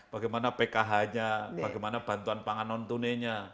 bagaimana pkhnya bagaimana bantuan pangan non tunenya